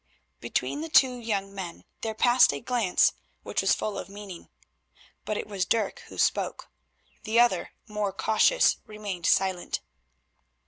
Between the two young men there passed a glance which was full of meaning. But it was Dirk who spoke. The other, more cautious, remained silent.